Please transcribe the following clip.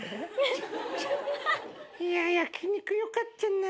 いや焼き肉良かったな。